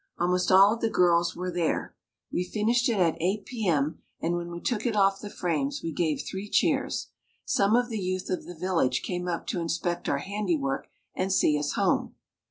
Almost all of the girls were there. We finished it at 8 p. m. and when we took it off the frames we gave three cheers. Some of the youth of the village came up to inspect our handiwork and see us home.